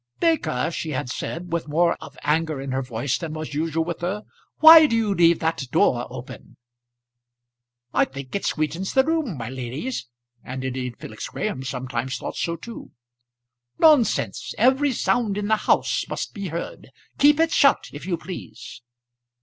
"Baker," she had said, with more of anger in her voice than was usual with her, "why do you leave that door open?" "I think it sweetens the room, my lady;" and, indeed, Felix Graham sometimes thought so too. "Nonsense; every sound in the house must be heard. Keep it shut, if you please."